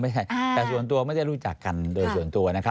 แต่ส่วนตัวไม่ได้รู้จักกันโดยส่วนตัวนะครับ